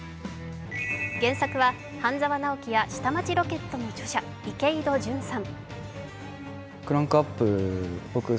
原作は「半沢直樹」や「下町ロケット」の著者、池井戸潤さん。